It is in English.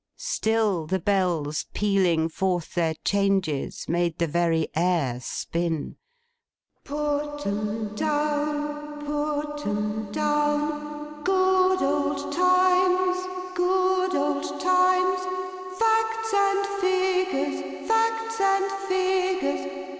Still the Bells, pealing forth their changes, made the very air spin. Put 'em down, Put 'em down! Good old Times, Good old Times! Facts and Figures, Facts and Figures!